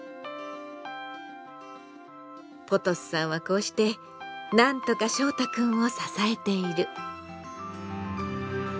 ポトスさんはこうしてなんとかしょうたくんを支えている。